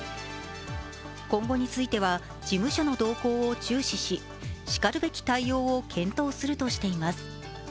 今後については事務所の動向を注視ししかるべき対応を検討するとしています。